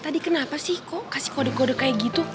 tadi kenapa sih kok kasih kode kode kayak gitu